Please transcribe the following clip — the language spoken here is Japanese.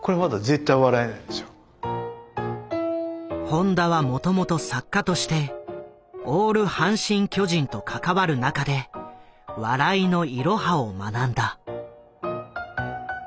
本多はもともと作家としてオール阪神・巨人と関わる中で笑いのイロハを学んだ。